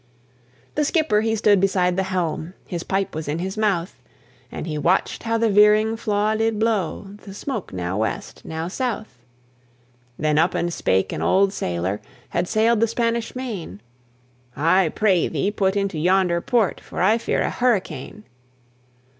The skipper he stood beside the helm, His pipe was in his mouth, And he watched how the veering flaw did blow The smoke now west, now south. Then up and spake an old sailor, Had sailed the Spanish Main, "I pray thee put into yonder port, For I fear a hurricane.